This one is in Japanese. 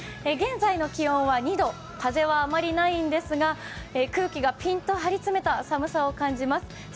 現在の気温は２度、風はあまりないのですが、空気がピンと張り詰めています。